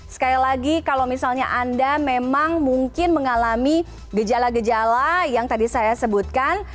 sekali lagi kalau misalnya anda memang mungkin mengalami gejala gejala yang tadi saya sebutkan